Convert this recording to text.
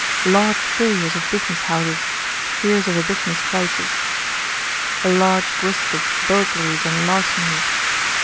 Large failures of business houses. Fears of a business crisis. A large grist of burglaries and larcenies.